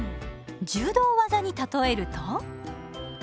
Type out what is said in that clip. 柔道技に例えると？